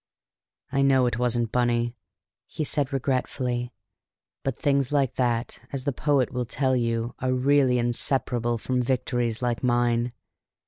"I know it wasn't, Bunny," he said regretfully. "But things like that, as the poet will tell you, are really inseparable from victories like mine.